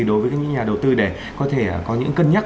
đối với những nhà đầu tư để có thể có những cân nhắc